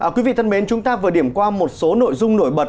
quý vị thân mến chúng ta vừa điểm qua một số nội dung nổi bật